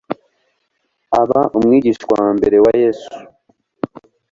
aba umwigishwa wa mbere wa yesu